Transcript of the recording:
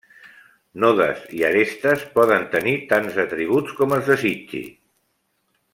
Nodes i arestes poden tenir tants atributs com es desitgi.